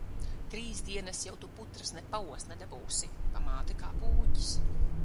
Trīs dienas jau tu putras ne paost nedabūsi. Pamāte kā pūķis.